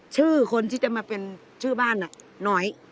ชื่อคนที่จะมาเป็นชื่อบ้านน้อย